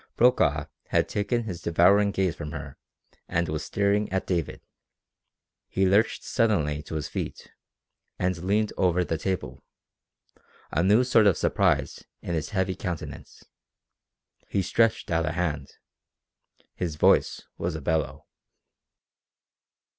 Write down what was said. Brokaw had taken his devouring gaze from her and was staring at David. He lurched suddenly to his feet and leaned over the table, a new sort of surprise in his heavy countenance. He stretched out a hand. His voice was a bellow.